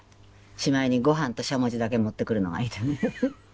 しまいにご飯としゃもじだけ持ってくるのがいてね。